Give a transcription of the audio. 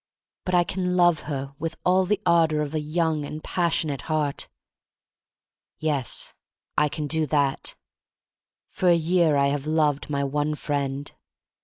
But I can love her with all the ardor of a young and passionate heart. 40 THE STORY OF MARY MAC LANE Yes, I can do that. For a year I have loved my one friend.